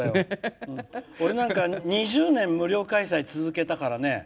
俺なんか、２０年無料開催続けたからね。